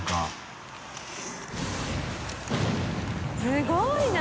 すごいな！